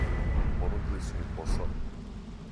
Понудили су ми посао.